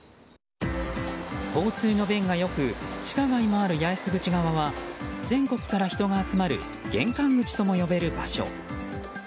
交通の便が良く地下街もある八重洲口側は全国から人が集まる玄関口とも呼べる場所。